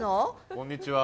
こんにちは。